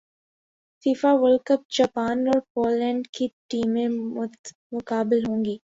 FIFA world cup Japan اور Poland کی ٹیمیں مدمقابل ہوں گی